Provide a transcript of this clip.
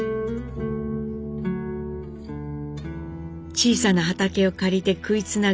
小さな畑を借りて食いつなぐ